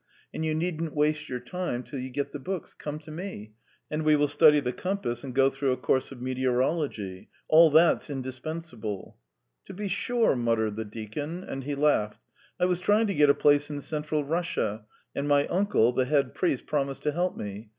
And you needn't waste your time till you get the books; come to me, and we will study the compass and go through a course of meteorology. All that's indispensable." "To be sure ..." muttered the deacon, and he laughed. "I was trying to get a place in Central Russia, and my uncle, the head priest, promised to help me.